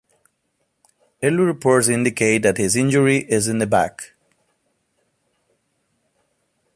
Early reports indicate that his injury is in the back.